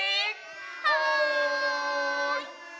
はい！